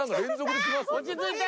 落ち着いて。